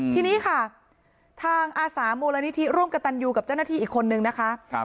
ทีนี้ค่ะทางอาสามูลนิธิร่วมกับตันยูกับเจ้าหน้าที่อีกคนนึงนะคะ